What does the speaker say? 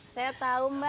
saya tau mbak